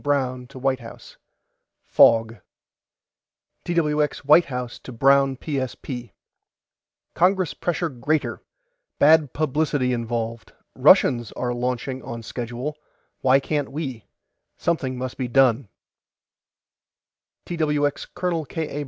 BROWN TO WHITE HOUSE: FOG TWX WHITE HOUSE TO BROWN PSP: CONGRESS PRESSURE GREATER BAD PUBLICITY INVOLVED RUSSIANS ARE LAUNCHING ON SCHEDULE WHY CAN'T WE SOMETHING MUST BE DONE TWX COL. K. A.